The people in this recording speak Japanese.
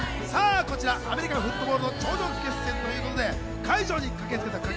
アメリカンフットボールの頂上決戦ということで会場に駆けつけた観客